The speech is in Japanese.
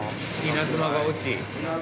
稲妻が落ち。